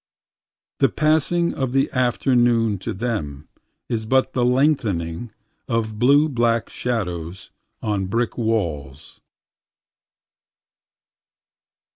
…The passing of the afternoon to themIs but the lengthening of blue black shadows on brick walls.